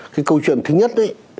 cái câu chuyện thứ nhất